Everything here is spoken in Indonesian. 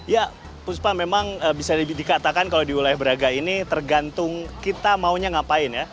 ya puspa memang bisa dikatakan kalau di wilayah braga ini tergantung kita maunya ngapain ya